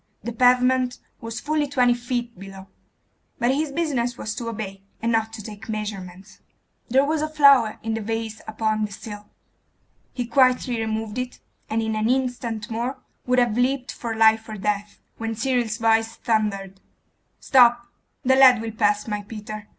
The pavement was fully twenty feet below; but his business was to obey, and not take measurements. There was a flower in the vase upon the sill. He quietly removed it, and in an instant more would have leapt for life or death, when Cyril's voice thundered 'Stop!' 'The lad will pass, my Peter.